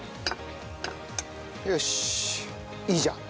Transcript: よしいいじゃん。